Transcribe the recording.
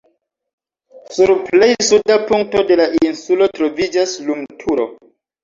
Sur plej suda punkto de la insulo troviĝas lumturo.